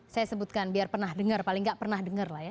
saya sebutkan biar pernah dengar paling nggak pernah dengar